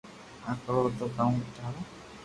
پر ڪرو ڪاو ٿارو يار